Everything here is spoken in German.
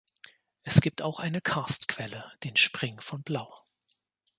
Es gibt auch eine Karstquelle, den Spring von Plaue.